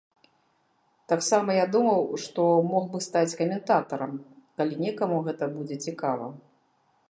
Таксама я думаў, што мог бы стаць каментатарам, калі некаму гэта будзе цікава.